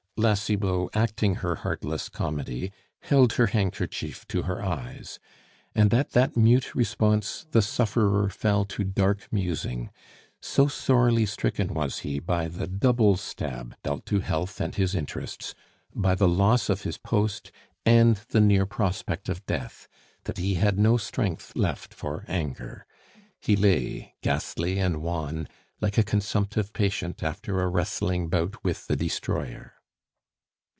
La Cibot, acting her heartless comedy, held her handkerchief to her eyes; and at that mute response the sufferer fell to dark musing so sorely stricken was he by the double stab dealt to health and his interests by the loss of his post and the near prospect of death, that he had no strength left for anger. He lay, ghastly and wan, like a consumptive patient after a wrestling bout with the Destroyer.